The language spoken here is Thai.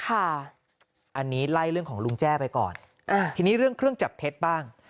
อันนี้ไล่เรื่องของลุงแจ้ไปก่อนอ่าทีนี้เรื่องเครื่องจับเท็จบ้าง